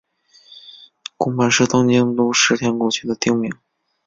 宫坂是东京都世田谷区的町名。